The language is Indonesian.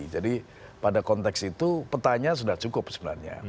jadi pada konteks itu petanya sudah cukup sebenarnya